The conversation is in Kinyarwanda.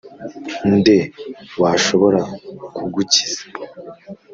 nde washobora kugukiza?